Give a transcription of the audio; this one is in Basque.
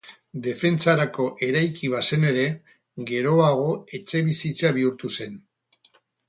Defentsarako eraiki bazen ere, geroago etxebizitza bihurtu zen.